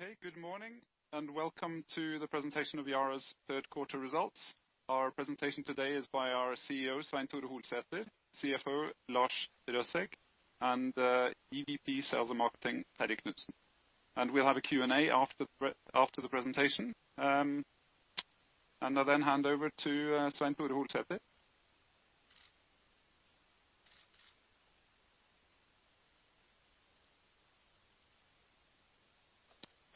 Okay, good morning and welcome to the presentation of Yara's third quarter results. Our presentation today is by our CEO, Svein Tore Holsether, CFO, Lars Røsæg, and EVP Sales and Marketing, Terje Knutsen. We'll have a Q&A after the presentation. I then hand over to Svein Tore Holsether.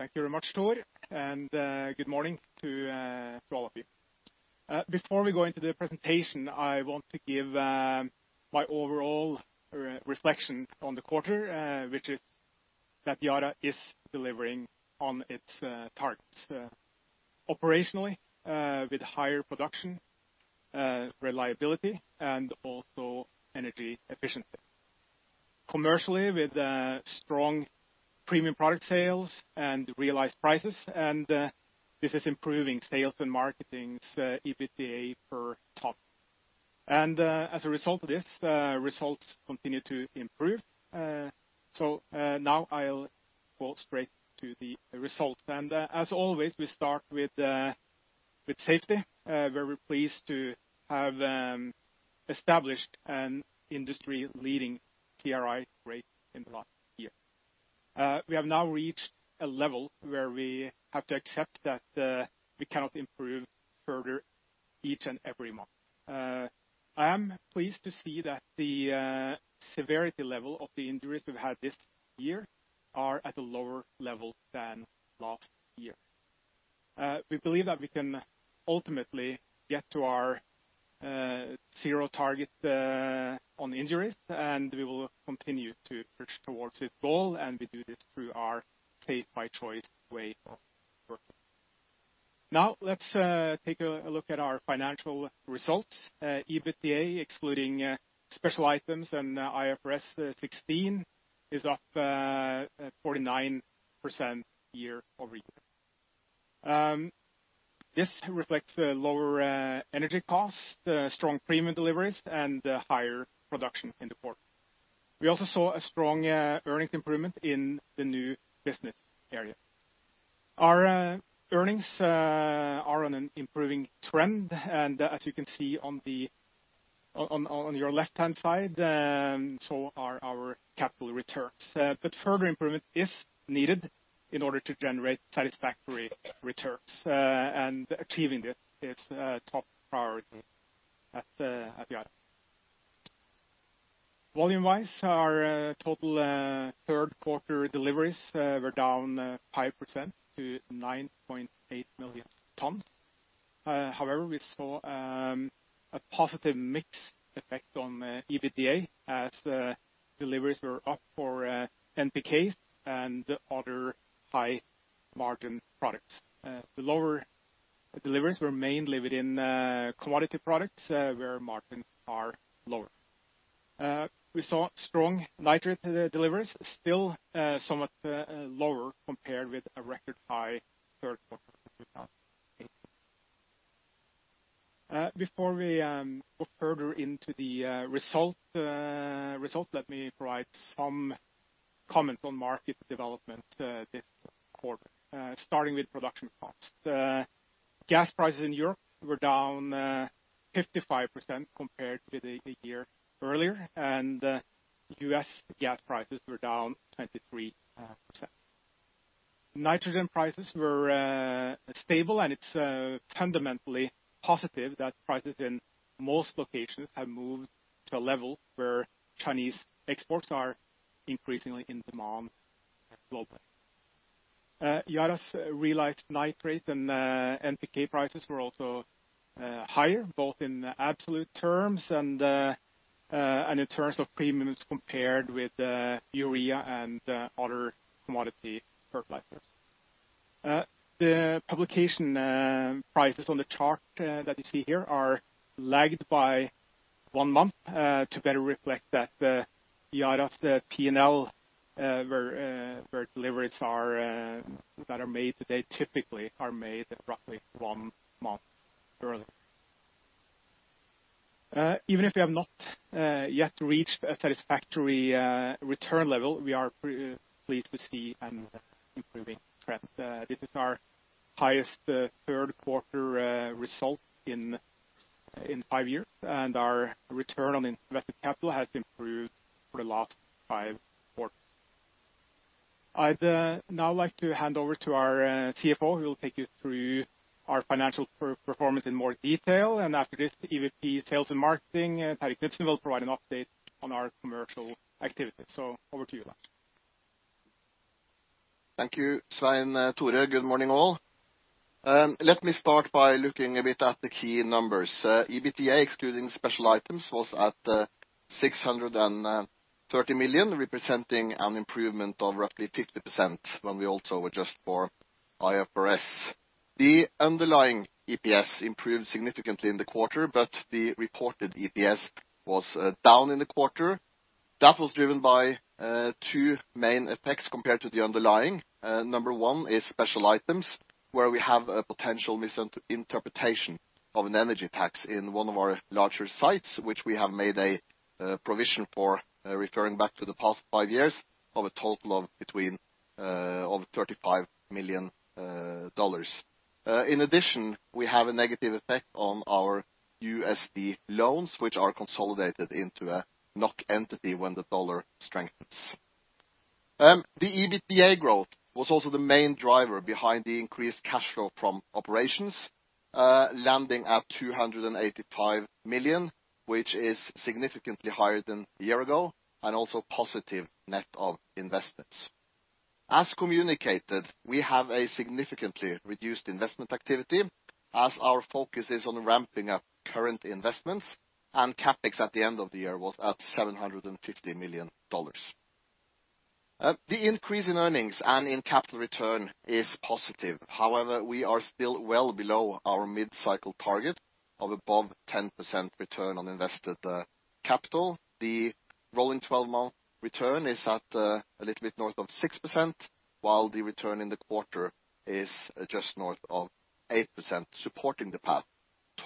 Thank you very much, Tore. Good morning to all of you. Before we go into the presentation, I want to give my overall reflection on the quarter, which is that Yara is delivering on its targets operationally, with higher production, reliability, and also energy efficiency. Commercially, with strong premium product sales and realized prices. This is improving sales and marketing's EBITDA per ton. As a result of this, results continue to improve. Now I'll go straight to the results. As always, we start with safety. Very pleased to have established an industry-leading TRI rate in the last year. We have now reached a level where we have to accept that we cannot improve further each and every month. I am pleased to see that the severity level of the injuries we've had this year are at a lower level than last year. We believe that we can ultimately get to our zero target on injuries, and we will continue to push towards this goal and we do this through our Safe by Choice way of working. Let's take a look at our financial results. EBITDA, excluding special items and IFRS 16, is up 49% year-over-year. This reflects lower energy costs, strong premium deliveries, and higher production in the quarter. We also saw a strong earnings improvement in the new business area. Our earnings are on an improving trend, and as you can see on your left-hand side, so are our capital returns. Further improvement is needed in order to generate satisfactory returns, and achieving it is a top priority at Yara. Volume-wise, our total third-quarter deliveries were down 5% to 9.8 million tons. We saw a positive mix effect on EBITDA as deliveries were up for NPK and other high-margin products. The lower deliveries were mainly within commodity products, where margins are lower. We saw strong nitrate deliveries, still somewhat lower compared with a record high third quarter in 2018. Before we go further into the results, let me provide some comments on market developments this quarter, starting with production costs. Gas prices in Europe were down 55% compared to the year earlier, and U.S. gas prices were down 23%. Nitrogen prices were stable, and it's fundamentally positive that prices in most locations have moved to a level where Chinese exports are increasingly in demand globally. Yara's realized nitrate and NPK prices were also higher, both in absolute terms and in terms of premiums compared with urea and other commodity fertilizers. The publication prices on the chart that you see here are lagged by one month to better reflect that Yara's P&L, where deliveries that are made today typically are made roughly one month earlier. Even if we have not yet reached a satisfactory return level, we are pleased to see an improving trend. This is our highest third quarter result in five years, and our Return on Invested Capital has improved for the last five quarters. I'd now like to hand over to our CFO, who will take you through our financial performance in more detail. After this, EVP Sales and Marketing, Terje Knutsen, will provide an update on our commercial activities. Over to you, Lars. Thank you, Svein Tore. Good morning, all. Let me start by looking a bit at the key numbers. EBITDA, excluding special items, was at 630 million, representing an improvement of roughly 50% when we also adjust for IFRS. The underlying EPS improved significantly in the quarter, but the reported EPS was down in the quarter. That was driven by two main effects compared to the underlying. Number one is special items. Where we have a potential misinterpretation of an energy tax in one of our larger sites, which we have made a provision for referring back to the past five years of a total of $35 million. In addition, we have a negative effect on our USD loans, which are consolidated into a NOK entity when the dollar strengthens. The EBITDA growth was also the main driver behind the increased cash flow from operations, landing at 285 million, which is significantly higher than a year ago, and also positive net of investments. As communicated, we have a significantly reduced investment activity as our focus is on ramping up current investments, and CapEx at the end of the year was at NOK 750 million. The increase in earnings and in capital return is positive. However, we are still well below our mid-cycle target of above 10% Return on Invested Capital. The rolling 12-month return is at a little bit north of 6%, while the return in the quarter is just north of 8%, supporting the path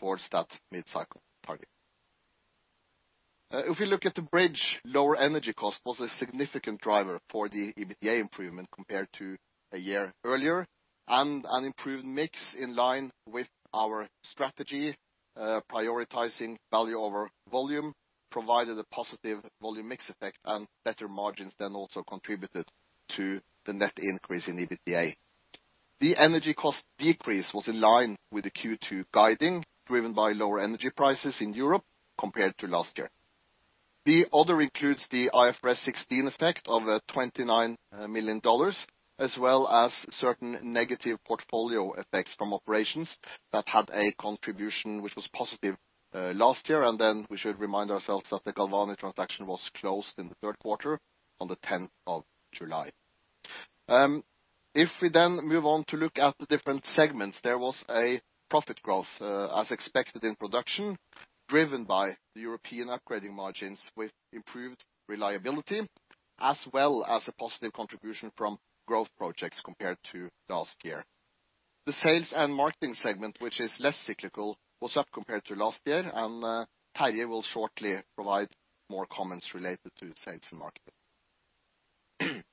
towards that mid-cycle target. If we look at the bridge, lower energy cost was a significant driver for the EBITDA improvement compared to a year earlier, and an improved mix in line with our strategy, prioritizing value over volume, provided a positive volume mix effect and better margins, then also contributed to the net increase in EBITDA. The energy cost decrease was in line with the Q2 guiding, driven by lower energy prices in Europe compared to last year. The other includes the IFRS 16 effect of NOK 29 million, as well as certain negative portfolio effects from operations that had a contribution which was positive last year. We should remind ourselves that the Galvani transaction was closed in the third quarter on the 10th of July. If we move on to look at the different segments, there was a profit growth, as expected in production, driven by the European upgrading margins with improved reliability, as well as a positive contribution from growth projects compared to last year. The sales and marketing segment, which is less cyclical, was up compared to last year. Terje will shortly provide more comments related to sales and marketing.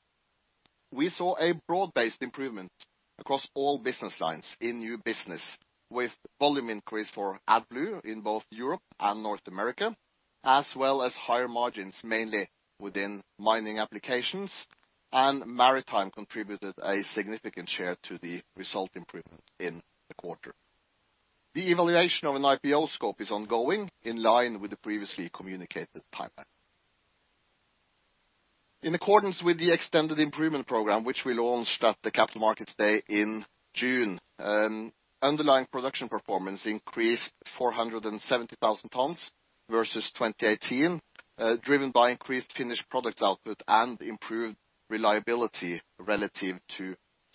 We saw a broad-based improvement across all business lines in new business with volume increase for AdBlue in both Europe and North America, as well as higher margins, mainly within mining applications. Maritime contributed a significant share to the result improvement in the quarter. The evaluation of an IPO scope is ongoing in line with the previously communicated timeline. In accordance with the extended improvement program, which we launched at the Capital Markets Day in June, underlying production performance increased 470,000 tons versus 2018, driven by increased finished product output and improved reliability relative to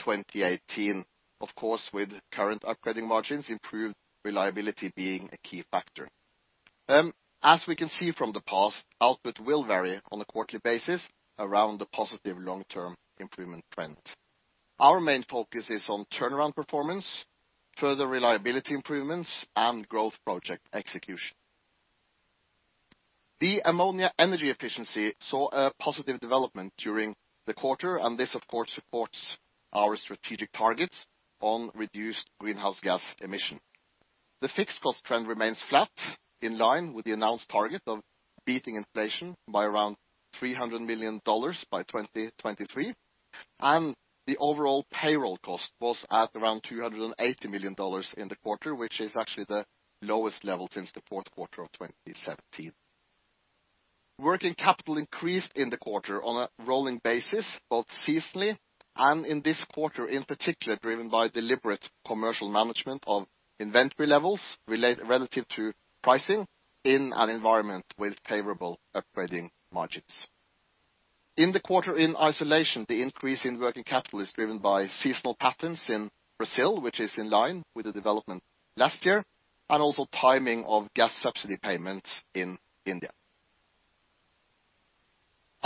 2018. Of course, with current upgrading margins, improved reliability being a key factor. As we can see from the past, output will vary on a quarterly basis around the positive long-term improvement trend. Our main focus is on turnaround performance, further reliability improvements, and growth project execution. This, of course, supports our strategic targets on reduced greenhouse gas emission. The fixed cost trend remains flat, in line with the announced target of beating inflation by around NOK 300 million by 2023, and the overall payroll cost was at around NOK 280 million in the quarter, which is actually the lowest level since the fourth quarter of 2017. Working capital increased in the quarter on a rolling basis, both seasonally and in this quarter, in particular, driven by deliberate commercial management of inventory levels relative to pricing in an environment with favorable upgrading margins. In the quarter in isolation, the increase in working capital is driven by seasonal patterns in Brazil, which is in line with the development last year, and also timing of gas subsidy payments in India.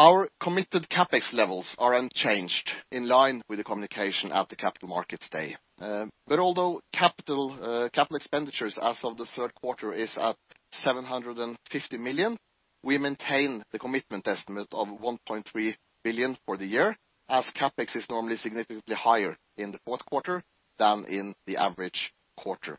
Our committed CapEx levels are unchanged in line with the communication at the Capital Markets Day. Although capital expenditures as of the third quarter is at 750 million, we maintain the commitment estimate of 1.3 billion for the year, as CapEx is normally significantly higher in the fourth quarter than in the average quarter.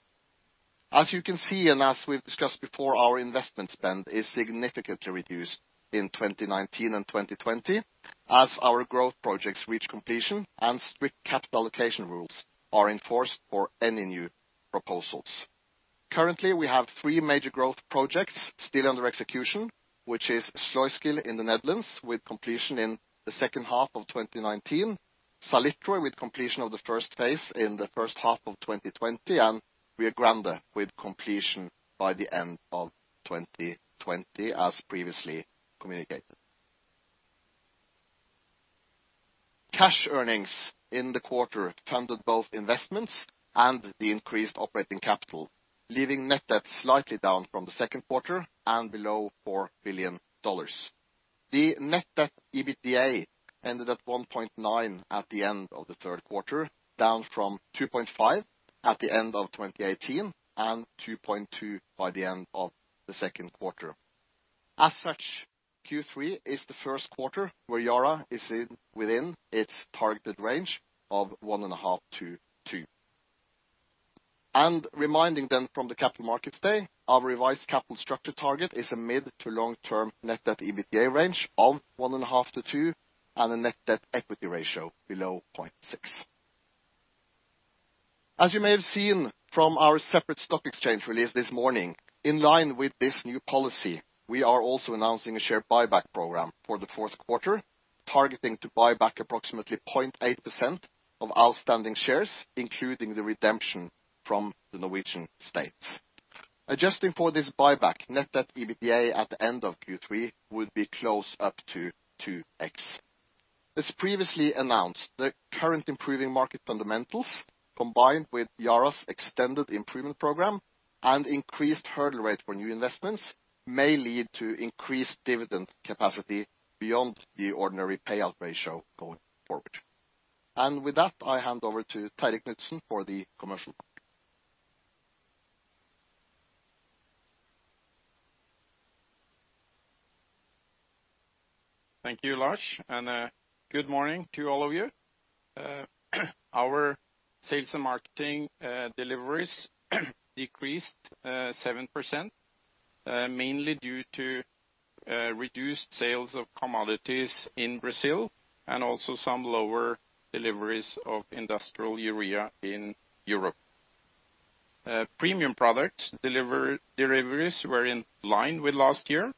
As you can see, and as we've discussed before, our investment spend is significantly reduced in 2019 and 2020 as our growth projects reach completion and strict capital allocation rules are enforced for any new proposals. Currently, we have three major growth projects still under execution, which is Sluiskil in the Netherlands, with completion in the second half of 2019. Salitre, with completion of the first phase in the first half of 2020, and Rio Grande, with completion by the end of 2020 as previously communicated. Cash earnings in the quarter funded both investments and the increased operating capital, leaving net debt slightly down from the second quarter and below NOK 4 billion. The net debt EBITDA ended at 1.9 at the end of the third quarter, down from 2.5 at the end of 2018, and 2.2 by the end of the second quarter. As such, Q3 is the first quarter where Yara is within its targeted range of 1.5-2. Reminding them from the Capital Markets Day, our revised capital structure target is a mid to long-term net debt EBITDA range of 1.5-2, and a net debt equity ratio below 0.6. As you may have seen from our separate stock exchange release this morning, in line with this new policy, we are also announcing a share buyback program for the fourth quarter, targeting to buyback approximately 0.8% of outstanding shares, including the redemption from the Norwegian states. Adjusting for this buyback, net debt to EBITDA at the end of Q3 would be close up to 2x. As previously announced, the current improving market fundamentals, combined with Yara's extended improvement program and increased hurdle rate for new investments, may lead to increased dividend capacity beyond the ordinary payout ratio going forward. With that, I hand over to Terje Knutsen for the commercial market. Thank you, Lars, and good morning to all of you. Our sales and marketing deliveries decreased 7%, mainly due to reduced sales of commodities in Brazil, and also some lower deliveries of industrial urea in Europe. Premium product deliveries were in line with last year,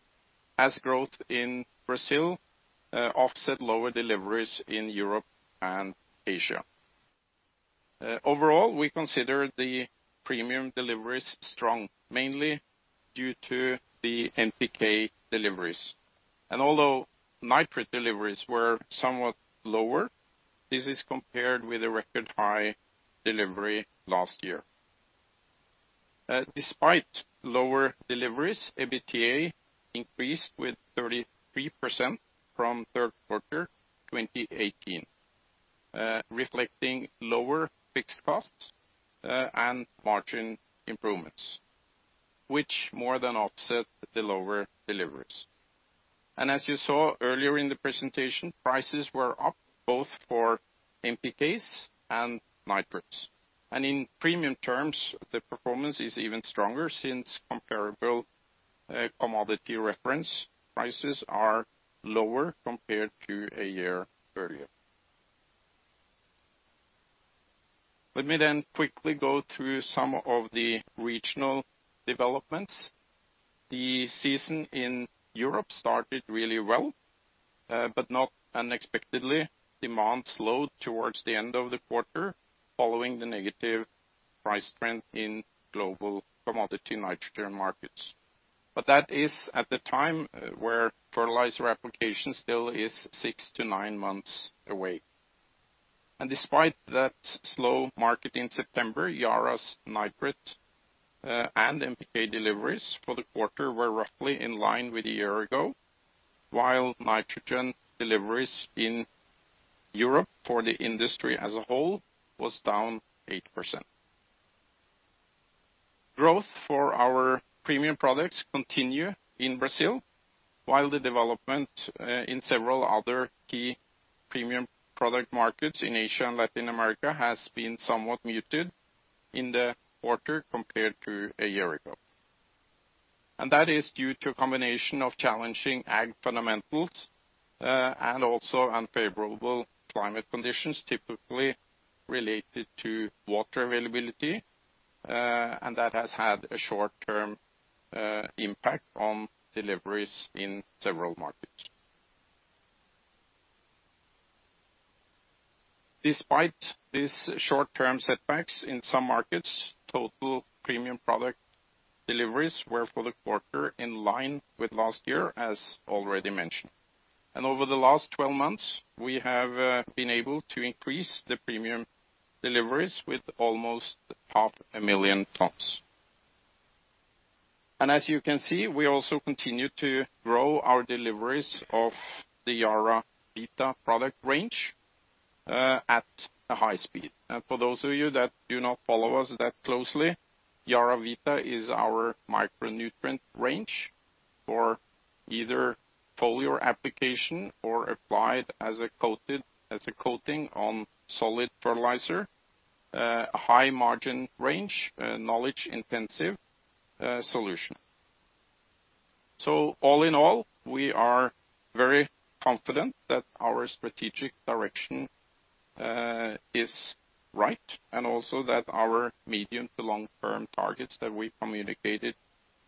as growth in Brazil offset lower deliveries in Europe and Asia. Overall, we consider the premium deliveries strong, mainly due to the NPK deliveries. Although nitrate deliveries were somewhat lower, this is compared with a record high delivery last year. Despite lower deliveries, EBITDA increased with 33% from third quarter 2018, reflecting lower fixed costs and margin improvements, which more than offset the lower deliveries. As you saw earlier in the presentation, prices were up both for NPKs and nitrates. In premium terms, the performance is even stronger since comparable commodity reference prices are lower compared to a year earlier. Let me quickly go through some of the regional developments. The season in Europe started really well, not unexpectedly, demand slowed towards the end of the quarter, following the negative price trend in global commodity nitrogen markets. That is at the time where fertilizer application still is six to nine months away. Despite that slow market in September, Yara's nitrate and NPK deliveries for the quarter were roughly in line with a year ago, while nitrogen deliveries in Europe for the industry as a whole was down 8%. Growth for our premium products continue in Brazil, while the development in several other key premium product markets in Asia and Latin America has been somewhat muted in the quarter compared to a year ago. That is due to a combination of challenging ag fundamentals, and also unfavorable climate conditions, typically related to water availability, and that has had a short-term impact on deliveries in several markets. Despite these short-term setbacks in some markets, total premium product deliveries were for the quarter in line with last year, as already mentioned. Over the last 12 months, we have been able to increase the premium deliveries with almost 500,000 tons. As you can see, we also continue to grow our deliveries of the YaraVita product range at a high speed. For those of you that do not follow us that closely, YaraVita is our micronutrient range for either foliar application or applied as a coating on solid fertilizer, a high margin range, knowledge-intensive solution. All in all, we are very confident that our strategic direction is right, and also that our medium to long-term targets that we communicated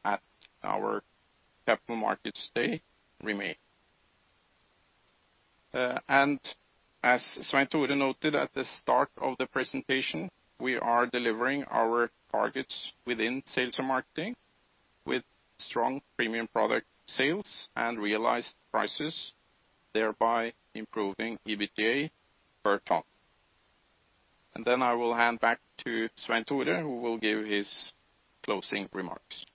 at our Capital Markets Day remain. As Svein Tore noted at the start of the presentation, we are delivering our targets within sales and marketing with strong premium product sales and realized prices, thereby improving EBITDA per ton. I will hand back to Svein Tore, who will give his closing remarks.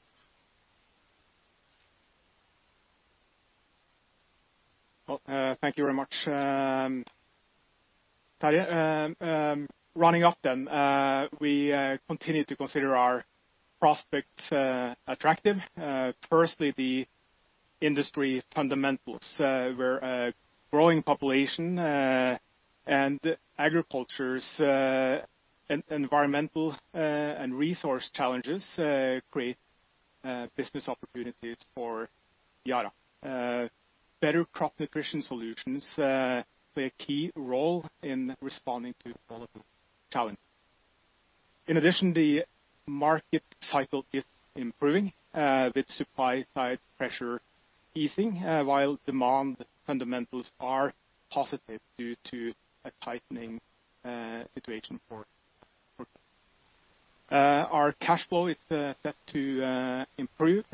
Well, thank you very much, Thor. Running up. We continue to consider our prospects attractive. Firstly, the industry fundamentals, where a growing population and agriculture's environmental and resource challenges create business opportunities for Yara. Better crop nutrition solutions play a key role in responding to global challenges. In addition, the market cycle is improving with supply-side pressure easing, while demand fundamentals are positive due to a tightening situation for. Our cash flow is set to improve,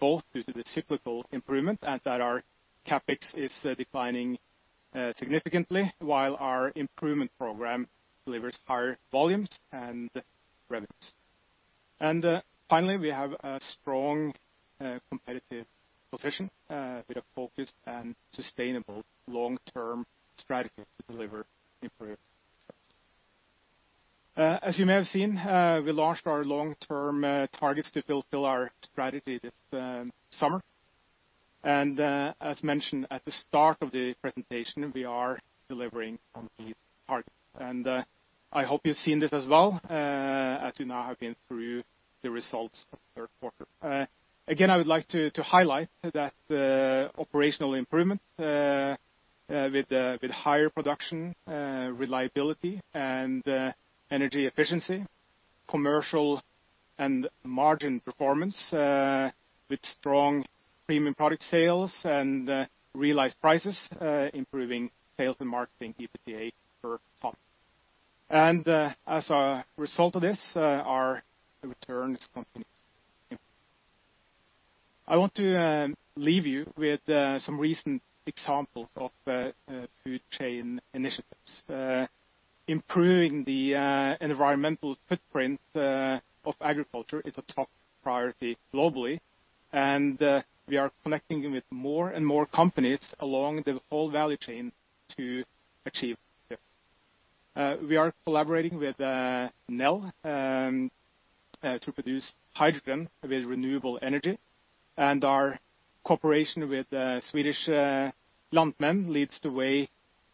both due to the cyclical improvement and that our CapEx is declining significantly while our improvement program delivers higher volumes and revenues. Finally, we have a strong competitive position with a focused and sustainable long-term strategy to deliver improved service. As you may have seen, we launched our long-term targets to fulfill our strategy this summer. As mentioned at the start of the presentation, we are delivering on these targets. I hope you've seen this as well, as you now have been through the results of the third quarter. Again, I would like to highlight that the operational improvement with higher production, reliability and energy efficiency, commercial and margin performance with strong premium product sales and realized prices, improving sales and marketing, EBITDA for the top. As a result of this, our returns continue to improve. I want to leave you with some recent examples of food chain initiatives. Improving the environmental footprint of agriculture is a top priority globally, and we are connecting with more and companies along the whole value chain to achieve this. We are collaborating with Nel to produce hydrogen with renewable energy, and our cooperation with Swedish Lantmännen leads the way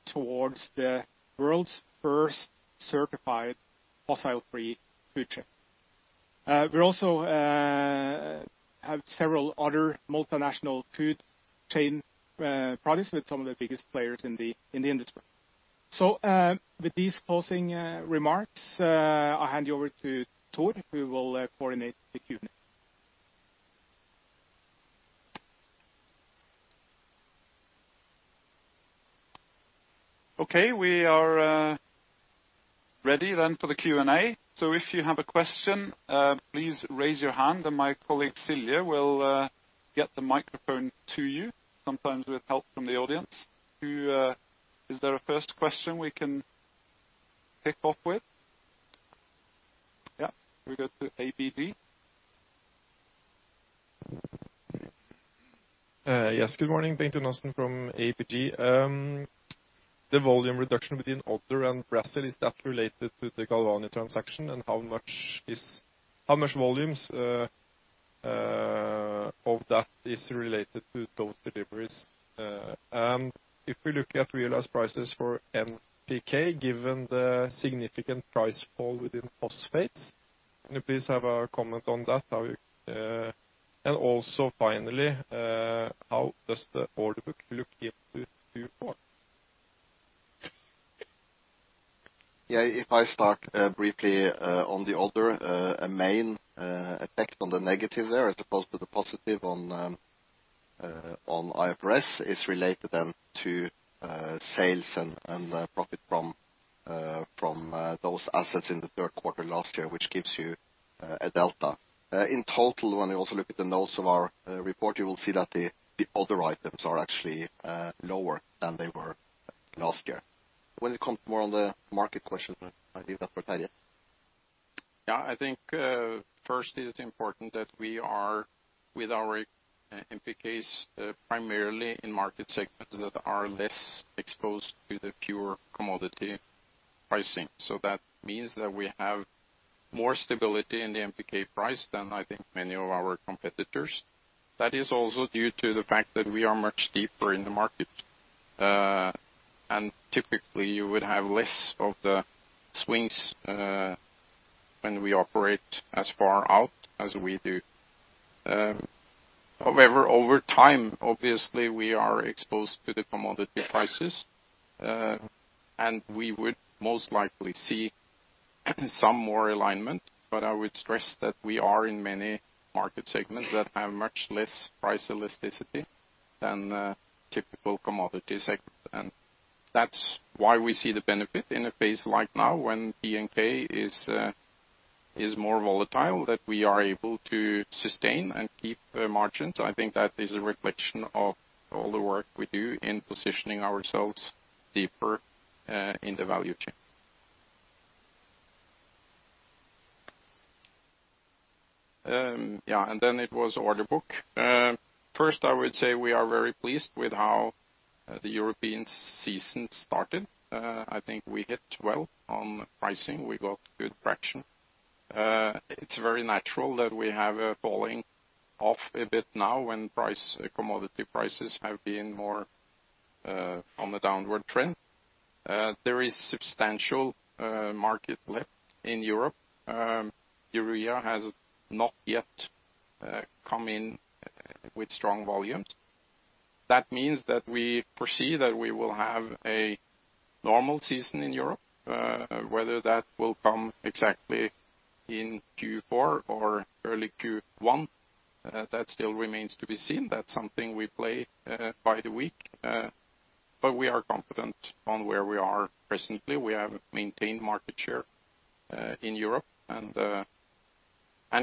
towards the world's first certified fossil-free food chain. We also have several other multinational food chain products with some of the biggest players in the industry. With these closing remarks, I'll hand you over to Thor, who will coordinate the Q&A. Okay, we are ready for the Q&A. If you have a question, please raise your hand and my colleague, Silje, will get the microphone to you, sometimes with help from the audience. Is there a first question we can kick off with? Yeah. We go to APG. Yes, good morning. Benton Olsen from APG. The volume reduction within other and Brazil, is that related to the Galvani transaction? How much volumes of that is related to those deliveries? If we look at realized prices for NPK, given the significant price fall within phosphates, can you please have a comment on that? Also finally, how does the order book look into Q4? If I start briefly on the other, a main effect on the negative there, as opposed to the positive on IFRS, is related then to sales and profit from those assets in the third quarter last year, which gives you a delta. In total, when you also look at the notes of our report, you will see that the other items are actually lower than they were last year. When it comes more on the market question, I leave that for Terje. Yeah, I think firstly, it's important that we are with our NPKs primarily in market segments that are less exposed to the pure commodity pricing. That means that we have more stability in the NPK price than I think many of our competitors. That is also due to the fact that we are much deeper in the market. Typically you would have less of the swings when we operate as far out as we do. However, over time, obviously, we are exposed to the commodity prices, and we would most likely see some more alignment, but I would stress that we are in many market segments that have much less price elasticity than a typical commodity segment. That's why we see the benefit in a phase like now when P&K is more volatile, that we are able to sustain and keep margins. I think that is a reflection of all the work we do in positioning ourselves deeper in the value chain. Then it was order book. First, I would say we are very pleased with how the European season started. I think we hit well on pricing. We got good traction. It's very natural that we have a falling off a bit now when commodity prices have been more on the downward trend. There is substantial market left in Europe. urea has not yet come in with strong volumes. That means that we foresee that we will have a normal season in Europe. Whether that will come exactly in Q4 or early Q1, that still remains to be seen. That's something we play by the week. We are confident on where we are presently. We have maintained market share in Europe and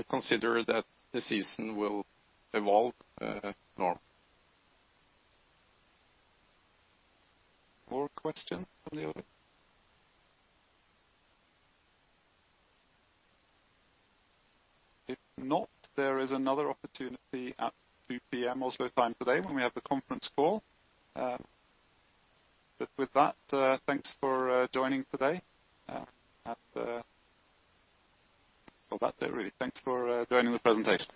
consider that the season will evolve normally. More question from the audience? If not, there is another opportunity at 2:00 P.M. Oslo time today when we have the conference call. With that, thanks for joining today. Thanks for joining the presentation.